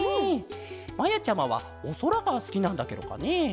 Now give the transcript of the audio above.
まやちゃまはおそらがすきなんだケロかね？